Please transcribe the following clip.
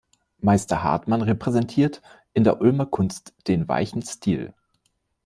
Meister Hartmann repräsentiert in der Ulmer Kunst den weichen Stil.